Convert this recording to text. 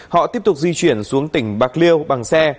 họ tiếp tục di chuyển xuống tỉnh bạc liêu bằng xe